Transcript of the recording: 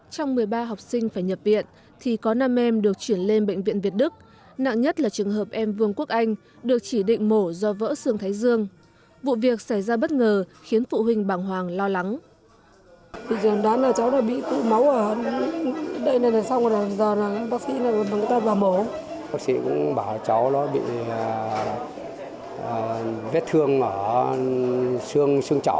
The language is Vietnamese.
trong một mươi ba học sinh phải nhập viện thì có năm em được chuyển lên bệnh viện việt đức nặng nhất là trường hợp em vương quốc anh được chỉ định mổ do vỡ xương thái dương vụ việc xảy ra bất ngờ khiến phụ huynh bằng hoàng lo lắng